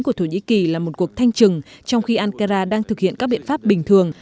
của thổ nhĩ kỳ là một cuộc thanh trừng trong khi ankara đang thực hiện các biện pháp bình thường